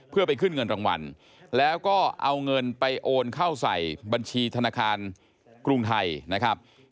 เพื่อไปขึ้นเงินรางวัลแล้วก็เอาเงินไปโอนเข้าใส่บัญชีธนาคารกรุงไทยนะครับ